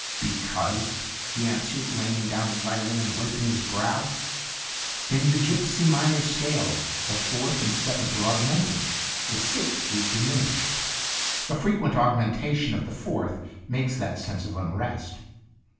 "Because," he answered, laying down his violin and wiping his brow, "in the gypsy Itinerant minor scale the fourth and seventh are aug mented. The sixth is diminished. The fre quent augmentation of the fourth makes that sense of unrest."